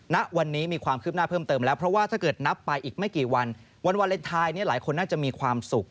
ณวันนี้มีความคืบหน้าเพิ่มเติมแล้วเพราะว่าถ้าเกิดนับไปอีกไม่กี่วันวันวาเลนไทยเนี่ยหลายคนน่าจะมีความสุข